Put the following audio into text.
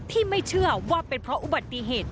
ที่ไม่เชื่อว่าเป็นเพราะอุบัติเหตุ